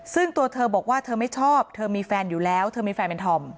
ซึ่งตัวเธอบอกว่าเธอไม่ชอบเธอมีแฟนอยู่แล้วเธอมีแฟนเป็นธอม